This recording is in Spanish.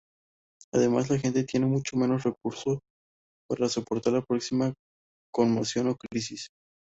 Además, la gente tiene mucho menos recursos para soportar la próxima conmoción o crisis.